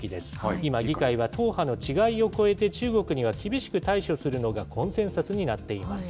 今、議会は党派の違いを超えて中国には厳しく対処するのがコンセンサスになっています。